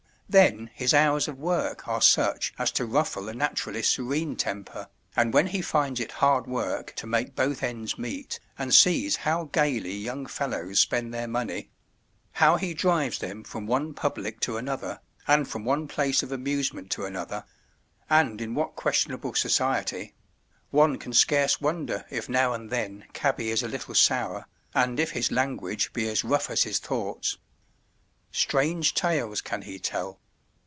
Then his hours of work are such as to ruffle a naturally serene temper, and when he finds it hard work to make both ends meet, and sees how gaily young fellows spend their money—how he drives them from one public to another, and from one place of amusement to another—and in what questionable society,—one can scarce wonder if now and then cabby is a little sour, and if his language be as rough as his thoughts. Strange tales can he tell.